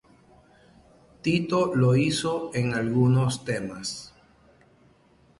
Tito lo hizo en algunos temas.